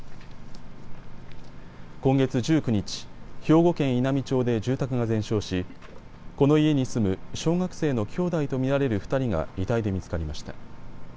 今月１９日、兵庫県稲美町で住宅が全焼しこの家に住む小学生の兄弟と見られる２人が遺体で見つかりました。